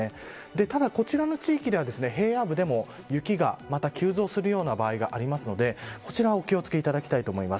ただこちらの地域では平野部でも雪が、また急増するような場合があるのでこちらお気をつけいただきたいと思います。